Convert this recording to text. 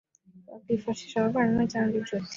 bakwifashisha abavandimwe cyangwa inshuti